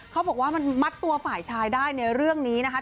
เขาบอกว่ามันมัดตัวฝ่ายชายได้ในเรื่องนี้นะคะ